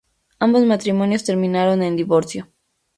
Ambos matrimonios terminaron en divorcio.